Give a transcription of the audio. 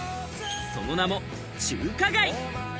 その名も中華街。